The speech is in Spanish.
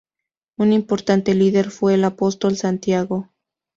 Un importante líder fue el apóstol Santiago.